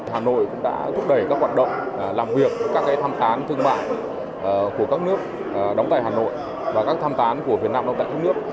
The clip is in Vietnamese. hà nội cũng đã thúc đẩy các hoạt động làm việc các tham tán thương mại của các nước đóng tại hà nội và các tham tán của việt nam đóng tại các nước